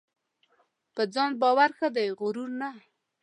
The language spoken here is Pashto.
په ځان باور ښه دی ؛غرور نه .